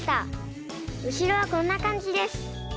うしろはこんなかんじです。